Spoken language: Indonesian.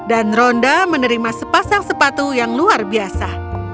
dan rhonda menerima sepasang sepatu yang luar biasa